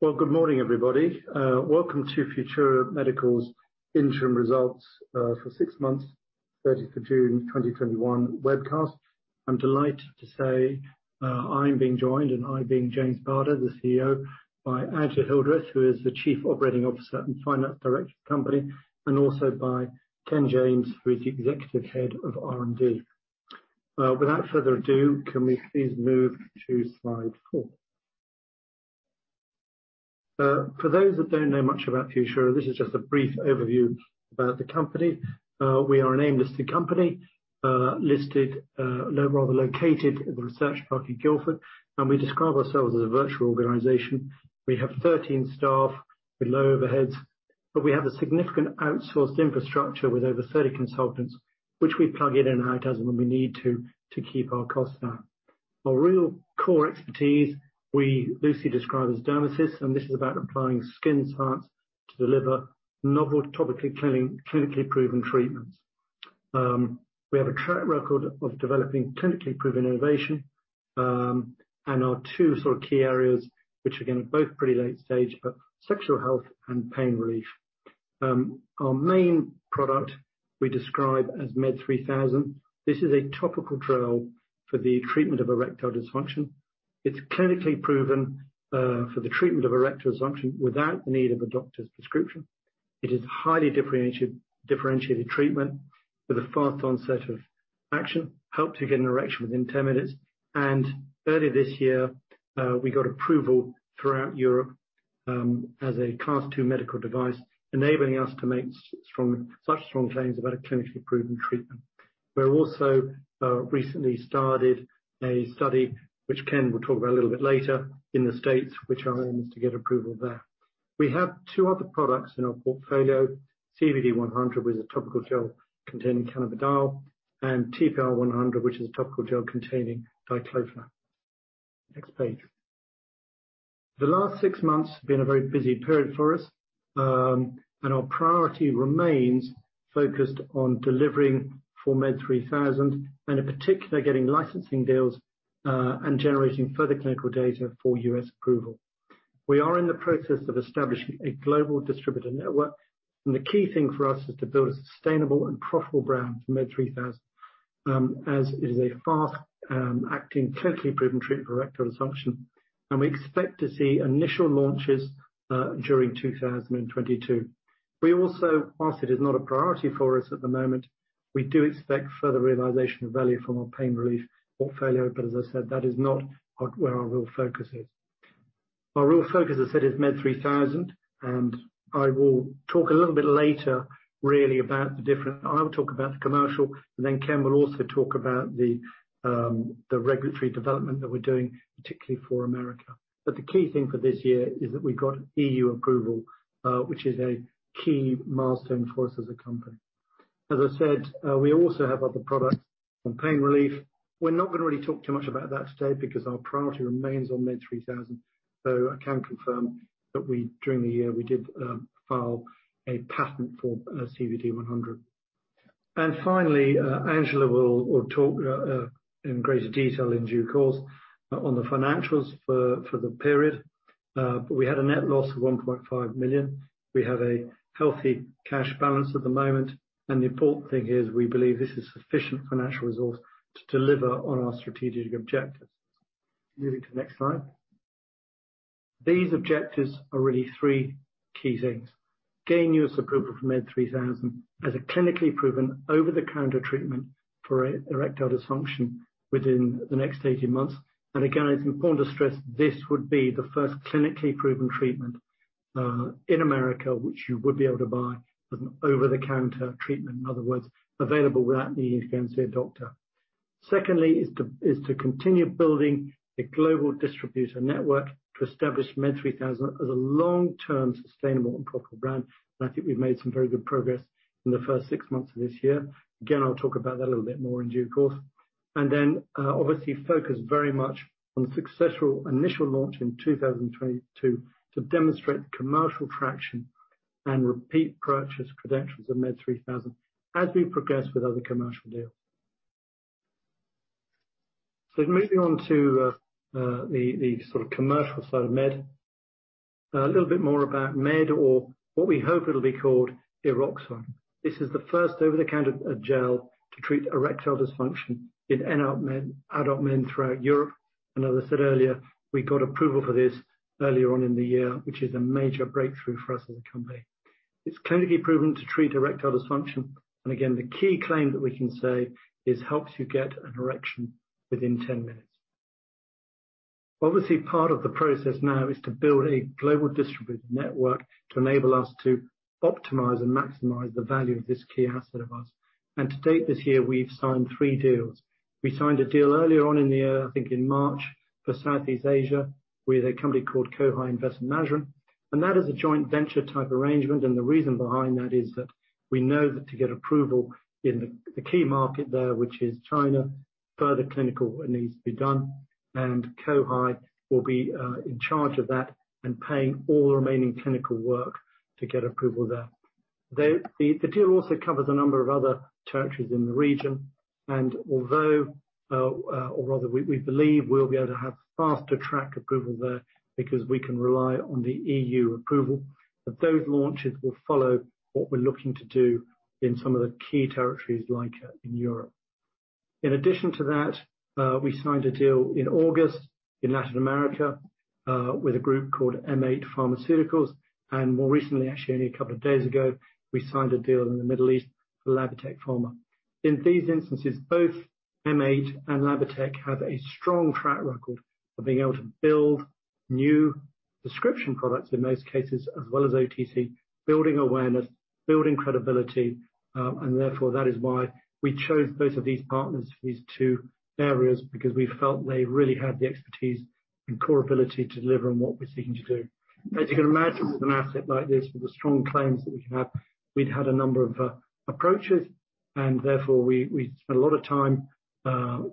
Well, good morning, everybody. Welcome to Futura Medical's interim results for 6 months 30th of June 2021 webcast. I'm delighted to say, I'm being joined, and I being James Barder, the CEO, by Angela Hildreth, who is the Chief Operating Officer and Finance Director of the company, and also by Ken James, who is the Executive Director and Head of R&D. Without further ado, can we please move to slide 4. For those that don't know much about Futura, this is just a brief overview about the company. We are an AIM-listed company, located at the Research Park in Guildford, and we describe ourselves as a virtual organization. We have 13 staff with low overheads, but we have a significant outsourced infrastructure with over 30 consultants, which we plug in and out as and when we need to keep our costs down. Our real core expertise we loosely describe as DermaSys. This is about applying skin science to deliver novel topically clinically proven treatments. We have a track record of developing clinically proven innovation. Our two sort of key areas, which again, are both pretty late stage, are sexual health and pain relief. Our main product we describe as MED3000. This is a topical gel for the treatment of erectile dysfunction. It's clinically proven for the treatment of erectile dysfunction without the need of a doctor's prescription. It is highly differentiated treatment with a fast onset of action, helps you get an erection within 10 minutes. Earlier this year, we got approval throughout Europe, as a Class II medical device, enabling us to make such strong claims about a clinically proven treatment. We also recently started a study, which Ken will talk about a little bit later, in the U.S., our aim is to get approval there. We have two other products in our portfolio. CBD100, which is a topical gel containing cannabidiol, and TPR100, which is a topical gel containing diclofenac. Next page. The last six months have been a very busy period for us. Our priority remains focused on delivering for MED3000. In particular, getting licensing deals and generating further clinical data for U.S. approval. We are in the process of establishing a global distributor network. The key thing for us is to build a sustainable and profitable brand for MED3000, as it is a fast-acting, clinically proven treatment for erectile dysfunction. We expect to see initial launches during 2022. We also, whilst it is not a priority for us at the moment, we do expect further realization of value from our pain relief portfolio. As I said, that is not where our real focus is. Our real focus, as I said, is MED3000. I will talk a little bit later really about the commercial. Ken will also talk about the regulatory development that we're doing, particularly for America. The key thing for this year is that we got EU approval, which is a key milestone for us as a company. As I said, we also have other products on pain relief. We're not going to really talk too much about that today because our priority remains on MED3000, though I can confirm that during the year we did file a patent for CBD100. Finally, Angela will talk in greater detail in due course on the financials for the period. We had a net loss of 1.5 million. We have a healthy cash balance at the moment, and the important thing is we believe this is sufficient financial resource to deliver on our strategic objectives. Moving to the next slide. These objectives are really three key things. Gain U.S. approval for MED3000 as a clinically proven over-the-counter treatment for erectile dysfunction within the next 18 months. Again, it's important to stress this would be the first clinically proven treatment in America, which you would be able to buy as an over-the-counter treatment. In other words, available without needing to go and see a doctor. Secondly is to continue building a global distributor network to establish MED3000 as a long-term sustainable and profitable brand. I think we've made some very good progress in the first six months of this year. Again, I'll talk about that a little bit more in due course. Obviously focus very much on the successful initial launch in 2022 to demonstrate commercial traction and repeat purchase credentials of MED3000 as we progress with other commercial deals. Moving on to the sort of commercial side of Med. A little bit more about Med or what we hope it'll be called Eroxon. This is the first over-the-counter gel to treat erectile dysfunction in adult men throughout Europe. As I said earlier, we got approval for this earlier on in the year, which is a major breakthrough for us as a company. It's clinically proven to treat erectile dysfunction. Again, the key claim that we can say is helps you get an erection within 10 minutes. Part of the process now is to build a global distributor network to enable us to optimize and maximize the value of this key asset of ours. To date this year, we've signed three deals. We signed a deal earlier on in the year, I think in March, for Southeast Asia with a company called Co-High Investment Management. That is a joint venture type arrangement and the reason behind that is that we know that to get approval in the key market there, which is China, further clinical needs to be done and Co-High will be in charge of that and paying all the remaining clinical work to get approval there. The deal also covers a number of other territories in the region, we believe we'll be able to have faster track approval there because we can rely on the EU approval. Those launches will follow what we're looking to do in some of the key territories, like in Europe. In addition to that, we signed a deal in August in Latin America with a group called M8 Pharmaceuticals, and more recently, actually only a couple of days ago, we signed a deal in the Middle East with Labatec Pharma. In these instances, both M8 and Labatec have a strong track record of being able to build new prescription products in most cases, as well as OTC, building awareness, building credibility, and therefore, that is why we chose both of these partners for these two areas, because we felt they really had the expertise and core ability to deliver on what we're seeking to do. As you can imagine, with an asset like this, with the strong claims that we have, we had a number of approaches, and therefore we spent a lot of time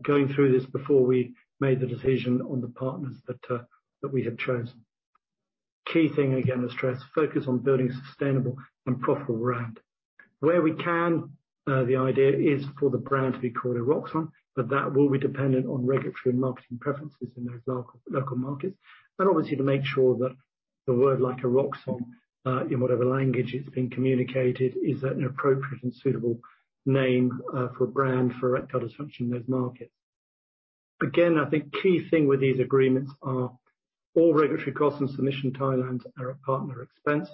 going through this before we made the decision on the partners that we have chosen. Key thing again, the stress, focus on building sustainable and profitable brand. Where we can, the idea is for the brand to be called Eroxon, but that will be dependent on regulatory and marketing preferences in those local markets. Obviously to make sure that a word like Eroxon, in whatever language it's being communicated, is at an appropriate and suitable name for a brand for erectile dysfunction in those markets. Again, I think key thing with these agreements are all regulatory costs and submission timelines are at partner expense.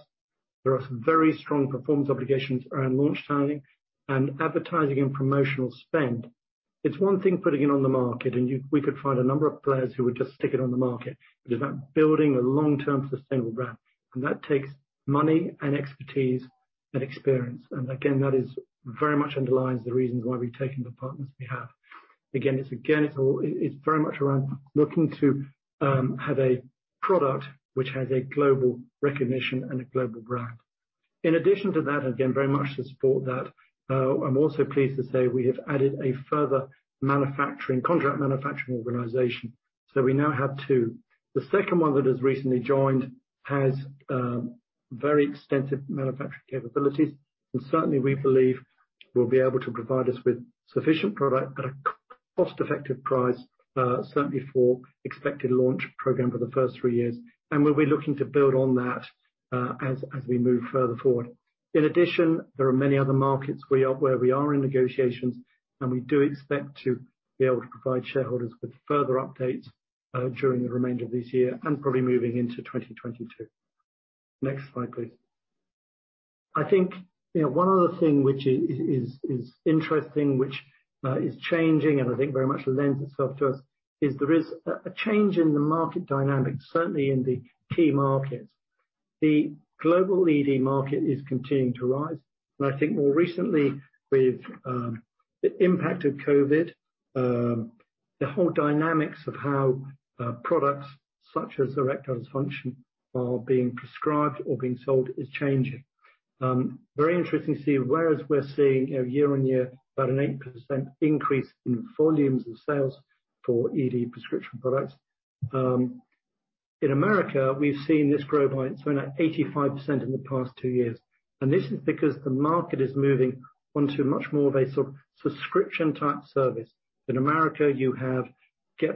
There are some very strong performance obligations around launch timing and advertising and promotional spend. It's one thing putting it on the market, and we could find a number of players who would just stick it on the market. It's about building a long-term sustainable brand, and that takes money and expertise and experience. Again, that very much underlines the reasons why we've taken the partners we have. Again, it's very much around looking to have a product which has a global recognition and a global brand. In addition to that, again, very much to support that, I'm also pleased to say we have added a further contract manufacturing organization, so we now have two. The second one that has recently joined has very extensive manufacturing capabilities, and certainly we believe will be able to provide us with sufficient product at a cost-effective price, certainly for expected launch program for the first three years. We'll be looking to build on that as we move further forward. In addition, there are many other markets where we are in negotiations, and we do expect to be able to provide shareholders with further updates during the remainder of this year and probably moving into 2022. Next slide, please. I think one other thing which is interesting, which is changing and I think very much lends itself to us is there is a change in the market dynamics, certainly in the key markets. The global ED market is continuing to rise, and I think more recently with the impact of COVID, the whole dynamics of how products such as erectile dysfunction are being prescribed or being sold is changing. Very interesting to see whereas we're seeing year-on-year about an 8% increase in volumes of sales for ED prescription products. In the U.S., we've seen this grow by 85% in the past two years. This is because the market is moving onto much more of a subscription-type service. In the U.S., you have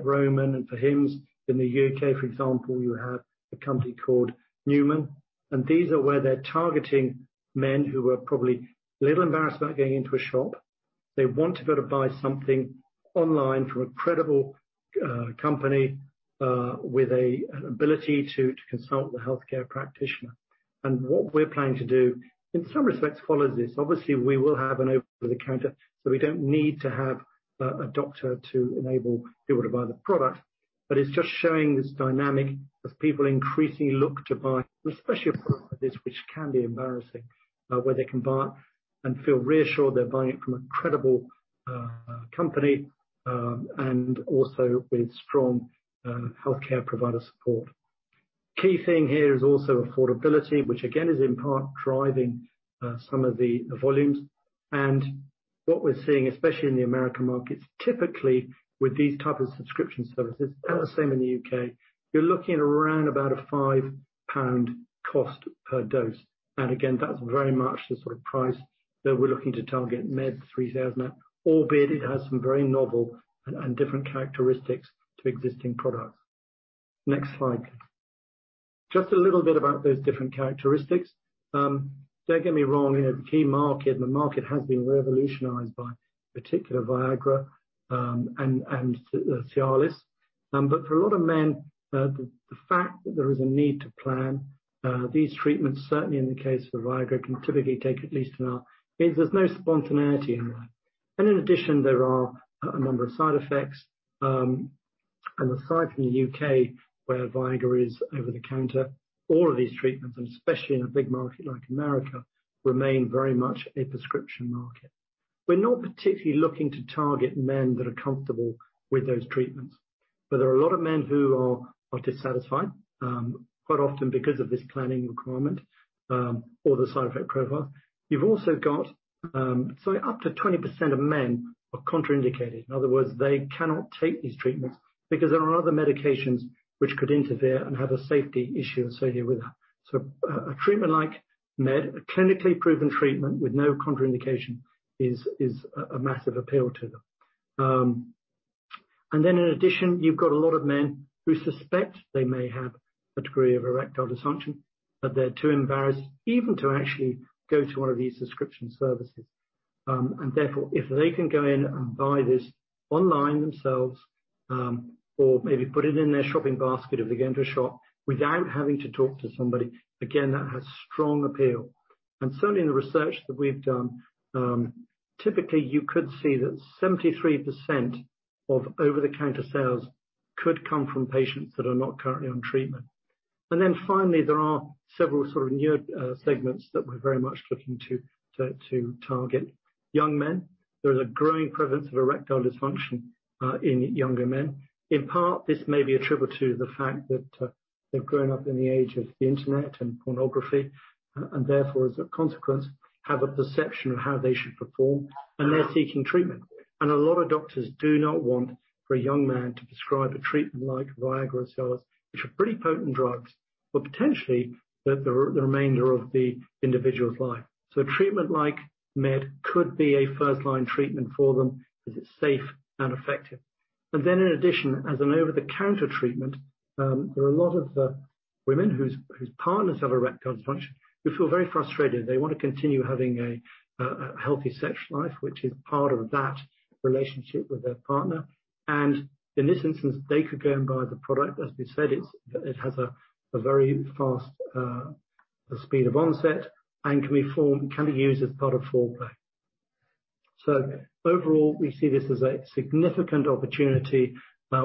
Roman and Hims. In the U.K., for example, you have a company called Numan, and these are where they're targeting men who are probably a little embarrassed about going into a shop. They want to be able to buy something online from a credible company with an ability to consult the healthcare practitioner. What we're planning to do in some respects follows this. Obviously, we will have an over-the-counter, so we don't need to have a doctor to enable people to buy the product. It's just showing this dynamic of people increasingly look to buy, especially a product like this which can be embarrassing, where they can buy and feel reassured they're buying it from a credible company, and also with strong healthcare provider support. Key thing here is also affordability, which again is in part driving some of the volumes. What we're seeing, especially in the American markets, typically with these type of subscription services, about the same in the U.K. You're looking at around about a 5 pound cost per dose. Again, that's very much the sort of price that we're looking to target MED3000 at, albeit it has some very novel and different characteristics to existing products. Next slide. Just a little bit about those different characteristics. Don't get me wrong, the key market and the market has been revolutionized by particular Viagra, and Cialis. For a lot of men, the fact that there is a need to plan these treatments certainly in the case of Viagra, can typically take at least an hour. Means there's no spontaneity in life. In addition, there are a number of side effects. Aside from the U.K. where Viagra is over the counter, all of these treatments, and especially in a big market like America, remain very much a prescription market. We're not particularly looking to target men that are comfortable with those treatments, but there are a lot of men who are dissatisfied, quite often because of this planning requirement, or the side effect profile. You've also got up to 20% of men are contraindicated. In other words, they cannot take these treatments because there are other medications which could interfere and have a safety issue associated with that. A treatment like MED, a clinically proven treatment with no contraindication is a massive appeal to them. In addition, you've got a lot of men who suspect they may have a degree of erectile dysfunction, but they're too embarrassed even to actually go to one of these subscription services. Therefore, if they can go in and buy this online themselves, or maybe put it in their shopping basket if they're going to a shop without having to talk to somebody, again, that has strong appeal. Certainly in the research that we've done, typically you could see that 73% of over-the-counter sales could come from patients that are not currently on treatment. Finally, there are several sort of newer segments that we're very much looking to target young men. There is a growing prevalence of erectile dysfunction in younger men. In part, this may be attributed to the fact that they've grown up in the age of the internet and pornography and therefore, as a consequence, have a perception of how they should perform, and they're seeking treatment. A lot of doctors do not want for a young man to prescribe a treatment like Viagra or Cialis, which are pretty potent drugs, but potentially the remainder of the individual's life. A treatment like MED could be a first-line treatment for them because it's safe and effective. In addition, as an over-the-counter treatment, there are a lot of women whose partners have erectile dysfunction who feel very frustrated. They want to continue having a healthy sexual life, which is part of that relationship with their partner. In this instance, they could go and buy the product. As we said, it has a very fast speed of onset and can be used as part of foreplay. Overall, we see this as a significant opportunity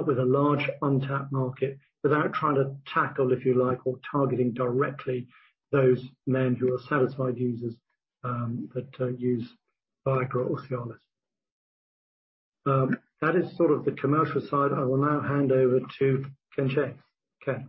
with a large untapped market without trying to tackle, if you like, or targeting directly those men who are satisfied users, that use Viagra or Cialis. That is sort of the commercial side. I will now hand over to Ken James. Ken.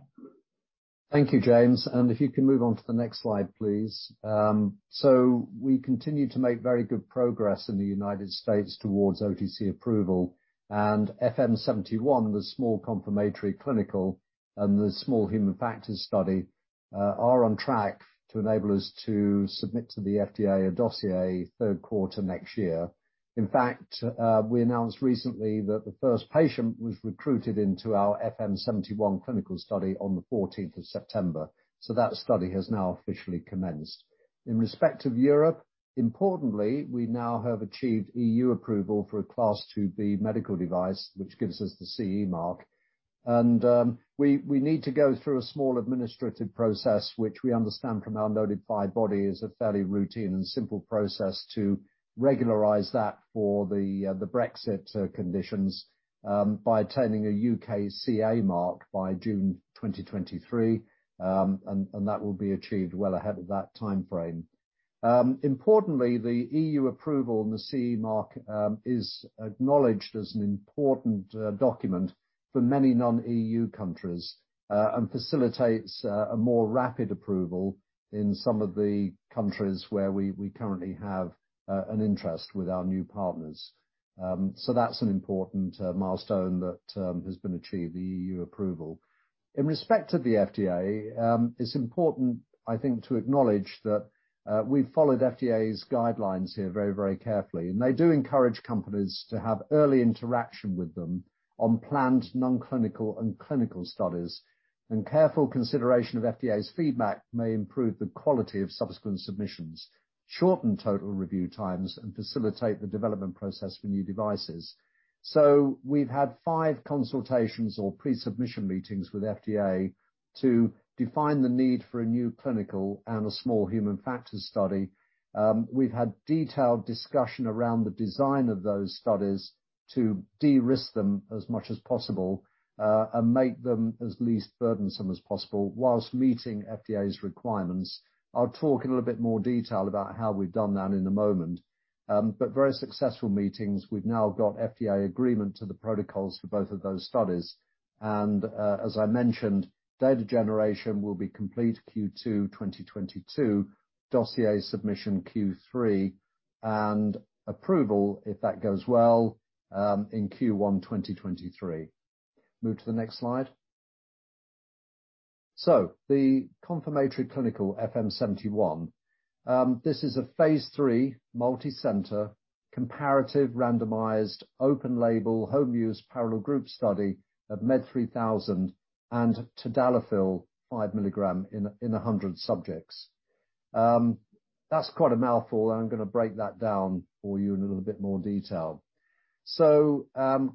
Thank you, James. If you can move on to the next slide, please. We continue to make very good progress in the U.S. towards OTC approval and FM71, the small confirmatory clinical and the small human factors study, are on track to enable us to submit to the FDA a dossier 3rd quarter next year. In fact, we announced recently that the first patient was recruited into our FM71 clinical study on the 14th of September. That study has now officially commenced. In respect of Europe, importantly, we now have achieved EU approval for a Class IIb medical device, which gives us the CE mark. We need to go through a small administrative process, which we understand from our notified body is a fairly routine and simple process to regularize that for the Brexit conditions by attaining a UKCA mark by June 2023, and that will be achieved well ahead of that timeframe. Importantly, the EU approval and the CE mark is acknowledged as an important document for many non-EU countries and facilitates a more rapid approval in some of the countries where we currently have an interest with our new partners. That's an important milestone that has been achieved, the EU approval. In respect of the FDA, it's important, I think, to acknowledge that we've followed FDA's guidelines here very, very carefully. They do encourage companies to have early interaction with them on planned non-clinical and clinical studies. Careful consideration of FDA's feedback may improve the quality of subsequent submissions, shorten total review times, and facilitate the development process for new devices. We've had five consultations or pre-submission meetings with FDA to define the need for a new clinical and a small human factors study. We've had detailed discussion around the design of those studies to de-risk them as much as possible, and make them as least burdensome as possible while meeting FDA's requirements. I'll talk in a little bit more detail about how we've done that in a moment. Very successful meetings. We've now got FDA agreement to the protocols for both of those studies. As I mentioned, data generation will be complete Q2 2022, dossier submission Q3, and approval, if that goes well, in Q1 2023. Move to the next slide. The confirmatory clinical FM71. This is a phase III, multicenter, comparative, randomized, open-label, home-use, parallel group study of MED3000 and tadalafil 5 mg in 100 subjects. That's quite a mouthful, and I'm going to break that down for you in a little bit more detail.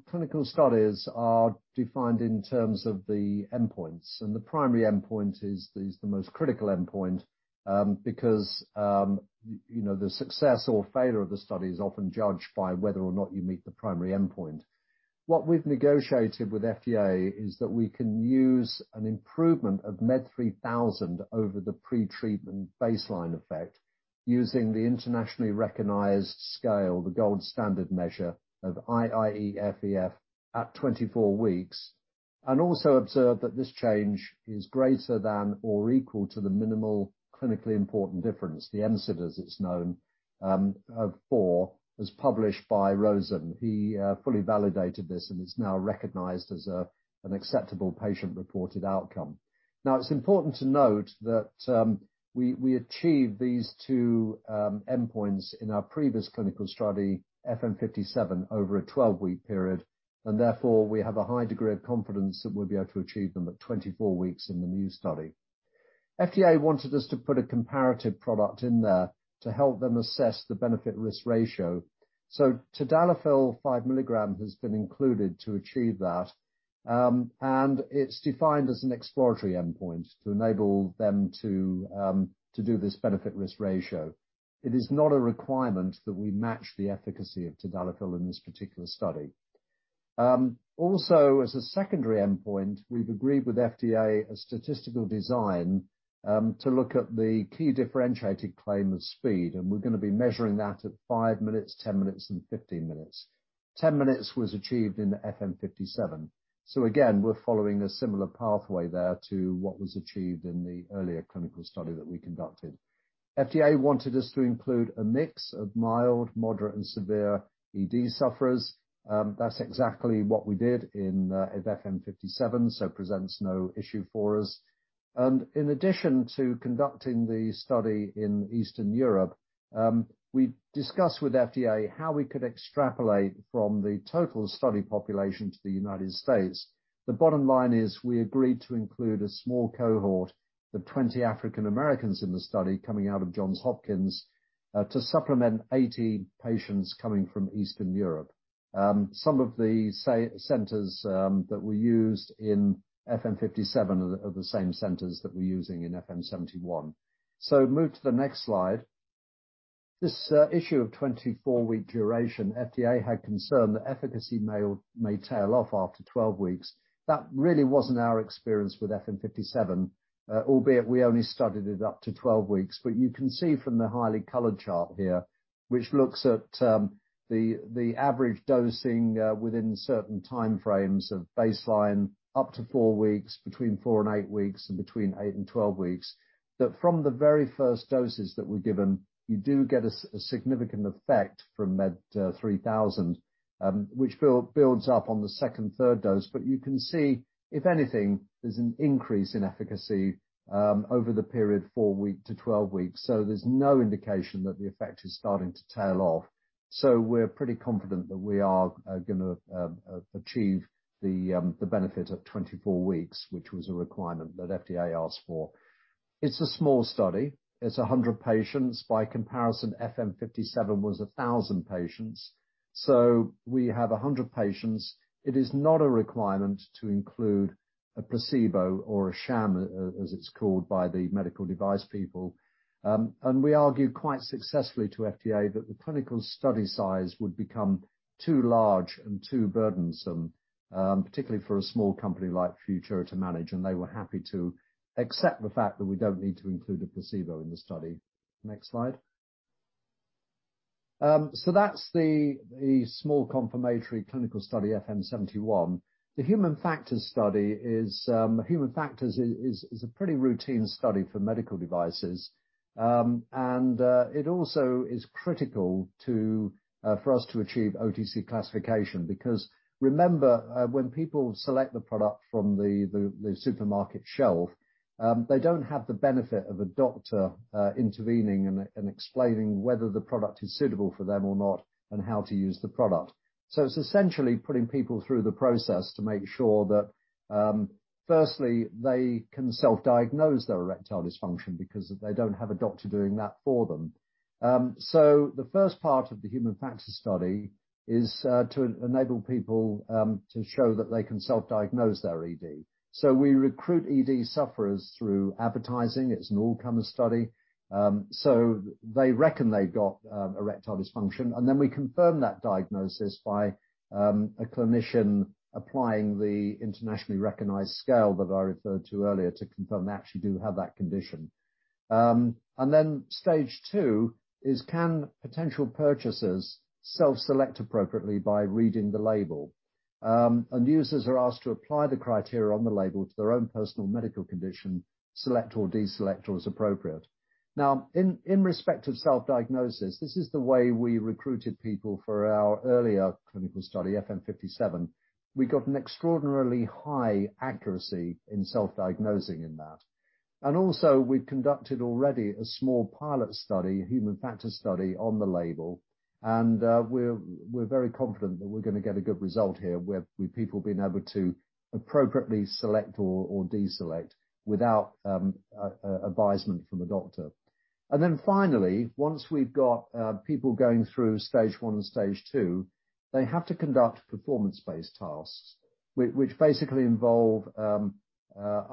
Clinical studies are defined in terms of the endpoints, and the primary endpoint is the most critical endpoint because the success or failure of the study is often judged by whether or not you meet the primary endpoint. What we've negotiated with FDA is that we can use an improvement of MED3000 over the pretreatment baseline effect using the internationally recognized scale, the gold standard measure of IIEF/EF at 24 weeks, and also observed that this change is greater than or equal to the minimal clinically important difference. The MCID, as it's known, of 4, as published by Rosen. He fully validated this, and it's now recognized as an acceptable patient-reported outcome. It's important to note that we achieved these two endpoints in our previous clinical study, FM57, over a 12-week period. Therefore, we have a high degree of confidence that we'll be able to achieve them at 24 weeks in the new study. FDA wanted us to put a comparative product in there to help them assess the benefit-risk ratio. tadalafil 5 mg has been included to achieve that, and it's defined as an exploratory endpoint to enable them to do this benefit-risk ratio. It is not a requirement that we match the efficacy of tadalafil in this particular study. As a secondary endpoint, we've agreed with FDA a statistical design to look at the key differentiated claim of speed, and we're going to be measuring that at 5 minutes, 10 minutes and 15 minutes. 10 minutes was achieved in the FM57. Again, we're following a similar pathway there to what was achieved in the earlier clinical study that we conducted. FDA wanted us to include a mix of mild, moderate and severe ED sufferers. That's exactly what we did in FM57, so presents no issue for us. In addition to conducting the study in Eastern Europe, we discussed with FDA how we could extrapolate from the total study population to the United States. The bottom line is we agreed to include a small cohort of 20 African Americans in the study, coming out of Johns Hopkins, to supplement 80 patients coming from Eastern Europe. Some of the centers that were used in FM57 are the same centers that we're using in FM71. Move to the next slide. This issue of 24-week duration, FDA had concern that efficacy may tail off after 12 weeks. That really wasn't our experience with FM57. Albeit, we only studied it up to 12 weeks. You can see from the highly colored chart here, which looks at the average dosing within certain time frames of baseline, up to four weeks, between four and eight weeks, and between eight and 12 weeks, that from the very first doses that were given, you do get a significant effect from MED3000, which builds up on the second, third dose. You can see, if anything, there's an increase in efficacy over the period four week to 12 weeks, so there's no indication that the effect is starting to tail off. We're pretty confident that we are going to achieve the benefit at 24 weeks, which was a requirement that FDA asked for. It's a small study. It's 100 patients. By comparison, FM57 was 1,000 patients. We have 100 patients. It is not a requirement to include a placebo or a sham, as it's called by the medical device people. We argued quite successfully to FDA that the clinical study size would become too large and too burdensome, particularly for a small company like Futura to manage. They were happy to accept the fact that we don't need to include a placebo in the study. Next slide. That's the small confirmatory clinical study, FM71. The human factors study is a pretty routine study for medical devices. It also is critical for us to achieve OTC classification. Remember, when people select the product from the supermarket shelf, they don't have the benefit of a doctor intervening and explaining whether the product is suitable for them or not and how to use the product. It's essentially putting people through the process to make sure that, firstly, they can self-diagnose their erectile dysfunction because they don't have a doctor doing that for them. The first part of the human factors study is to enable people to show that they can self-diagnose their ED. We recruit ED sufferers through advertising. It's an all-comer study. They reckon they've got erectile dysfunction, and then we confirm that diagnosis by a clinician applying the internationally recognized scale that I referred to earlier to confirm they actually do have that condition. Stage 2 is, can potential purchasers self-select appropriately by reading the label? Users are asked to apply the criteria on the label to their own personal medical condition, select or deselect as appropriate. Now, in respect of self-diagnosis, this is the way we recruited people for our earlier clinical study, FM57. We got an extraordinarily high accuracy in self-diagnosing in that. Also, we've conducted already a small pilot study, a human factors study on the label, and we're very confident that we're going to get a good result here with people being able to appropriately select or deselect without advisement from a doctor. Then finally, once we've got people going through stage 1 and stage 2, they have to conduct performance-based tasks, which basically involve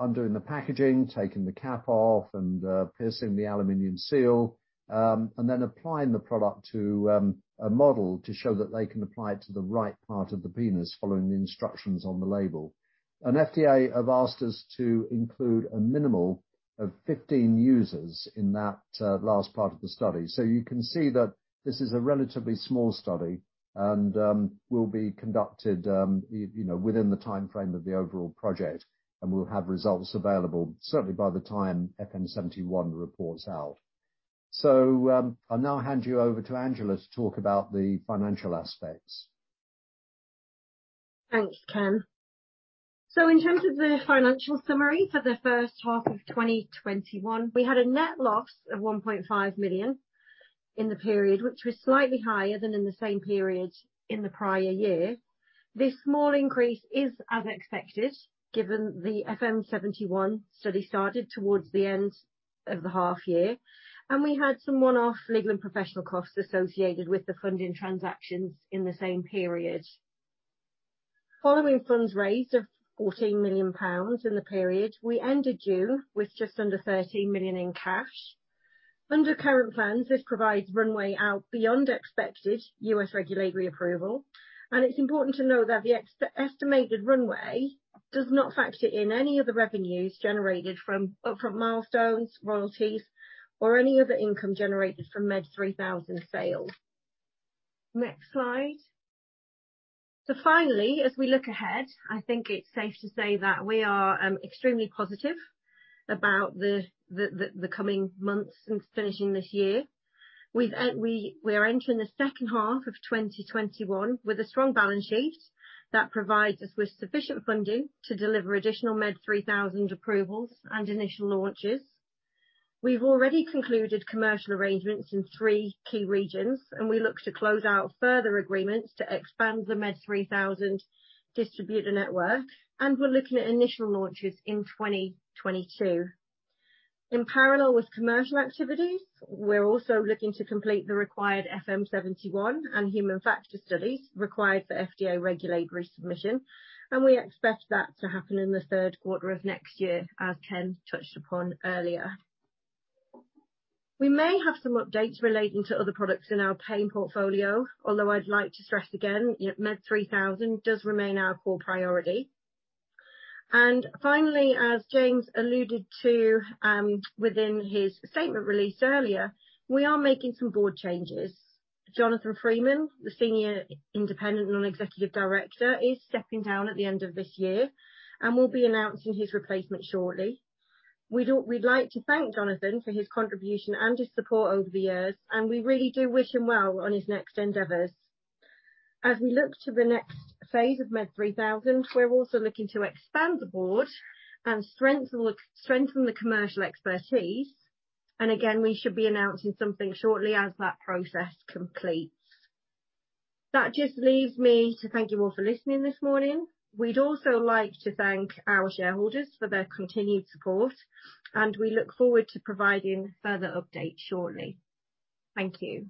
undoing the packaging, taking the cap off, and piercing the aluminum seal, and then applying the product to a model to show that they can apply it to the right part of the penis following the instructions on the label. FDA have asked us to include a minimum of 15 users in that last part of the study. You can see that this is a relatively small study and will be conducted within the time frame of the overall project, and we'll have results available certainly by the time FM71 reports out. I'll now hand you over to Angela to talk about the financial aspects. Thanks, Ken. In terms of the financial summary for the first half of 2021, we had a net loss of 1.5 million in the period, which was slightly higher than in the same period in the prior year. This small increase is as expected given the FM71 study started towards the end of the half year, and we had some one-off legal and professional costs associated with the funding transactions in the same period. Following funds raised of GBP 14 million in the period, we ended June with just under GBP 13 million in cash. Under current plans, this provides runway out beyond expected U.S. regulatory approval, and it's important to note that the estimated runway does not factor in any of the revenues generated from upfront milestones, royalties, or any other income generated from MED3000 sales. Next slide. Finally, as we look ahead, I think it's safe to say that we are extremely positive about the coming months and finishing this year. We are entering the second half of 2021 with a strong balance sheet that provides us with sufficient funding to deliver additional MED3000 approvals and initial launches. We've already concluded commercial arrangements in three key regions, and we look to close out further agreements to expand the MED3000 distributor network, and we're looking at initial launches in 2022. In parallel with commercial activities, we're also looking to complete the required FM71 and human factor studies required for FDA regulatory submission, and we expect that to happen in the third quarter of next year as Ken touched upon earlier. We may have some updates relating to other products in our pain portfolio, although I'd like to stress again, MED3000 does remain our core priority. Finally, as James alluded to within his statement released earlier, we are making some board changes. Jonathan Freeman, the Senior Independent Non-Executive Director, is stepping down at the end of this year, and we'll be announcing his replacement shortly. We'd like to thank Jonathan for his contribution and his support over the years, and we really do wish him well on his next endeavors. As we look to the next phase of MED3000, we're also looking to expand the board and strengthen the commercial expertise. Again, we should be announcing something shortly as that process completes. That just leaves me to thank you all for listening this morning. We'd also like to thank our shareholders for their continued support, and we look forward to providing further updates shortly. Thank you.